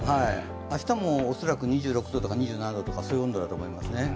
明日も恐らく２６度とか２７度という温度だと思いますね。